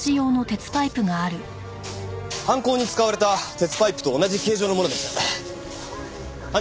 犯行に使われた鉄パイプと同じ形状のものです。